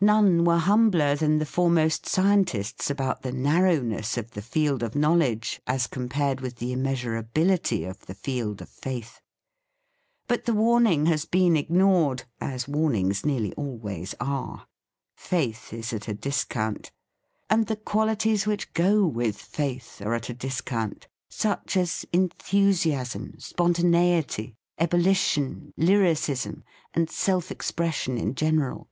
None were humbler than the foremost scientists about the nar rowness of the field of knowledge, as THE FEAST OF ST FRIEND compared with the immeasurability of the field of faith. But the warning has been ignored, as warnings nearly al ways are. Faith is at a discount. And the qualities which go with faith are at a discount; such as enthusiasm, spon taneity, ebullition, lyricism, and self expression in general.